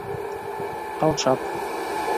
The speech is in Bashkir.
Ҡаушап: